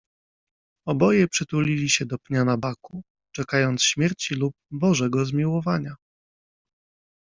Oboje przytulili się do pnia nabaku, czekając śmierci lub Bożego zmiłowania.